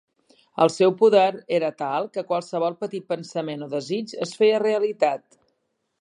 El seu poder era tal, que qualsevol petit pensament o desig es feia realitat.